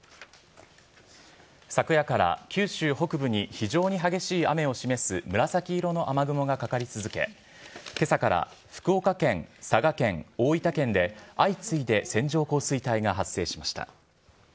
昨夜から九州北部に非常に激しい雨を示す紫色の雨雲がかかり続け、けさから福岡県、佐賀県、大分県で相次いで線状降水帯が発生しました。